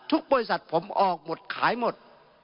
บริษัทผมออกหมดขายหมด